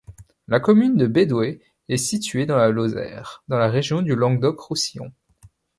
La commune de Bédouès est située dans la Lozère, dans la région du Languedoc-Roussillon.